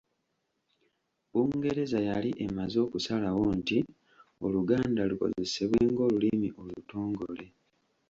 Bungereza yali emaze okusalawo nti Oluganda lukozesebwe ng'olulimi olutongole.